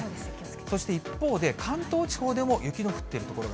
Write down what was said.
そして一方で、関東地方でも雪の降っている所が。